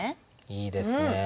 いいですねえ。